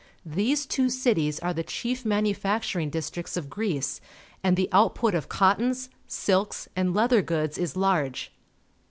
These two cities are the chief manufacturing districts of Greece, and the output of cottons, silks, and leather goods is large.